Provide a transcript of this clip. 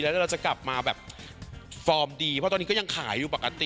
แล้วเราจะกลับมาแบบฟอร์มดีเพราะตอนนี้ก็ยังขายอยู่ปกติ